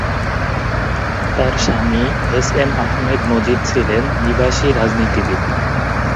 তার স্বামী এসএম আহমেদ মজিদ ছিলেন নিবাসী রাজনীতিবিদ।